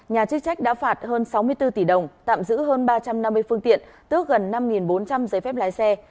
nhà chức trách đã phạt hơn sáu mươi bốn tỷ đồng tạm giữ hơn ba trăm năm mươi phương tiện tước gần năm bốn trăm linh giấy phép lái xe